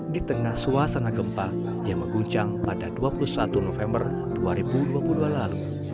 di tengah suasana gempa yang mengguncang pada dua puluh satu november dua ribu dua puluh dua lalu